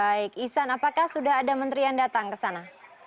baik ihsan apakah sudah ada menteri yang datang ke sana